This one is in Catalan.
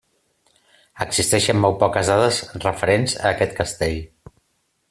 Existeixen molt poques dades referents a aquest castell.